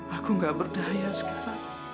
aku nggak berdaya sekarang